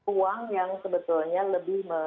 uang yang sebetulnya lebih